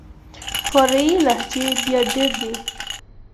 فرعي لهجې بيا ډېري دي.